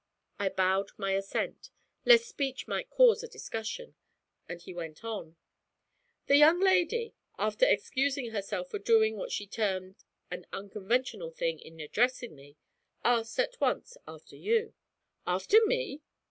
I bowed my assent, lest speech might cause a discussion, and he went on: 'The young lady, after excusing herself for doing what she termed an unconventional thing in addressing me, asked at once after you.' 'After me?